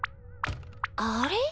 あれ？